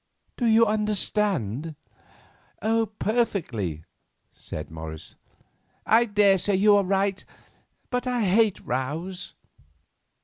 Do you understand?" "Perfectly," said Morris. "I daresay you are right, but I hate rows."